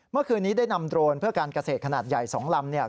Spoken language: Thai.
เมื่อคืนนี้ได้นำโดรนเพื่อการเกษตรขนาดใหญ่๒ลำเนี่ย